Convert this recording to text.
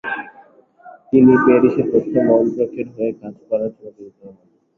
তিনি প্যারিসে তথ্য মন্ত্রকের হয়ে কাজ করার জন্য প্রেরিত হন।